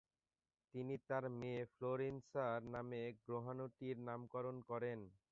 তিনি তার মেয়ে ফ্লোরেন্সিনার নামে গ্রহাণুটির নামকরণ করেন।